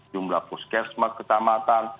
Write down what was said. jumlah puskesmas ketamatan